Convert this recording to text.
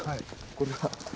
これは。